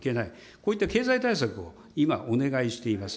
こういった経済対策を今、お願いしています。